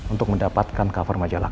untuk mendapatkan cover majalahnya